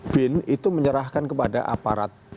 bin itu menyerahkan kepada aparat